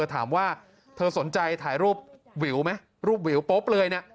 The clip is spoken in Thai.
ถามว่าเธอสนใจถ่ายรูปวิวไหมรูปวิวปุ๊บเลยนะ